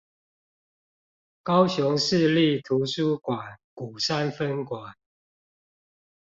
高雄市立圖書館鼓山分館